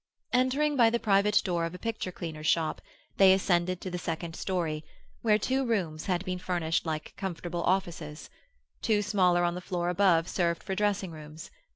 Entering by the private door of a picture cleaner's shop, they ascended to the second story, where two rooms had been furnished like comfortable offices; two smaller on the floor above served for dressing rooms.